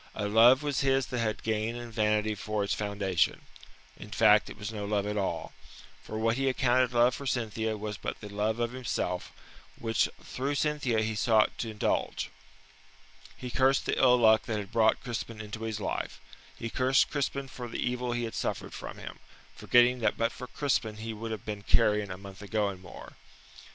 A love was his that had gain and vanity for its foundation in fact, it was no love at all. For what he accounted love for Cynthia was but the love of himself, which through Cynthia he sought to indulge. He cursed the ill luck that had brought Crispin into his life. He cursed Crispin for the evil he had suffered from him, forgetting that but for Crispin he would have been carrion a month ago and more.